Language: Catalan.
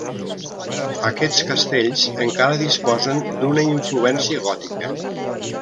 Aquests castells encara disposen d'una influència gòtica.